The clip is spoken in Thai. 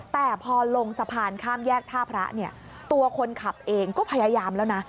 แต่พอลงสะพานข้ามแยกท่าพระเนี่ยตัวคนขับเองก็พยายามแล้วนะ